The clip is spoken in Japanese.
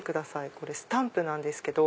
これスタンプなんですけど。